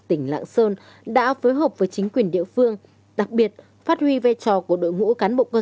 tỉnh lạng sơn đã phối hợp với chính quyền địa phương đặc biệt phát huy vai trò của đội ngũ cán bộ cơ